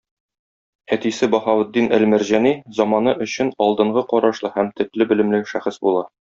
Әтисе Баһаветдин әл-Мәрҗани заманы өчен алдынгы карашлы һәм төпле белемле шәхес була.